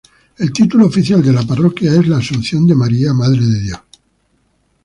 El título oficial de la parroquia es La Asunción de María, Madre de Dios.